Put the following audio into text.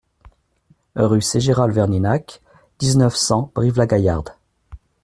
Rue Ségéral Verninac, dix-neuf, cent Brive-la-Gaillarde